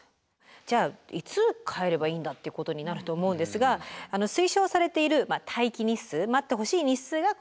じゃあいつ帰ればいいんだっていうことになると思うんですが推奨されている待機日数待ってほしい日数がこちらです。